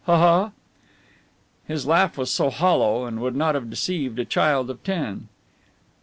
Ha! ha!" His laugh was hollow, and would not have deceived a child of ten.